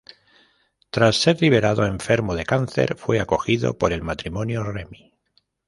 Tras ser liberado, enfermo de cáncer, fue acogido por el matrimonio Remi.